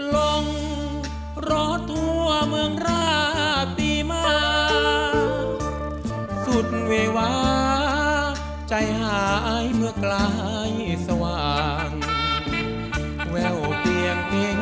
ลงที่ร่างที่ร่างย่าอย่างเมืองน้อย